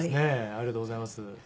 ありがとうございます。